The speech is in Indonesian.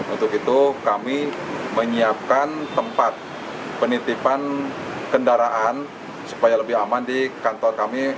untuk itu kami menyiapkan tempat penitipan kendaraan supaya lebih aman di kantor kami